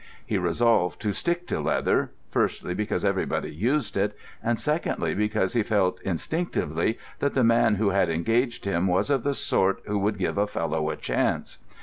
He resolved to stick to leather—firstly, because everybody used it; and, secondly, because he felt instinctively that the man who had engaged him was of the sort who would give a fellow a chance.